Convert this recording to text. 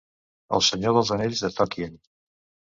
El Senyor dels Anyells de Tokien.